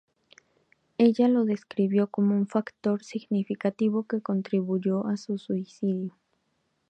Ella lo describió como un factor significativo que contribuyó a su suicidio.